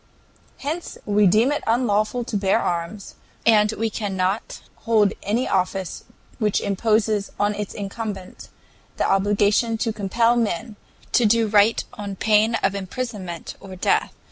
"Hence we deem it unlawful to bear arms, and we cannot hold any office which imposes on its incumbent the obligation to compel men to do right on pain of imprisonment or death.